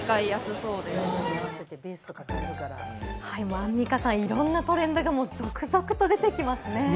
アンミカさん、いろんなトレンドが続々と出てきますね。